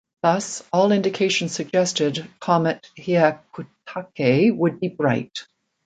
Thus, all indications suggested Comet Hyakutake would be bright.